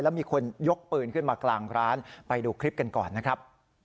แล้วมีคนยกปืนขึ้นมากลางร้านไปดูคลิปกันก่อนนะครับ